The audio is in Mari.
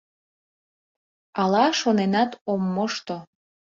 — Ала, шоненат ом мошто.